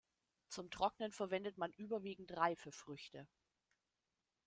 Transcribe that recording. Zum Trocknen verwendet man überwiegend reife Früchte.